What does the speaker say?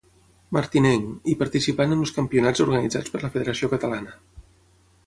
Martinenc, i participant en els campionats organitzats per la Federació Catalana.